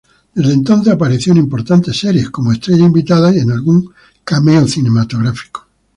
Desde entonces apareció en importantes series como estrella invitada y en algún cameo cinematográfico.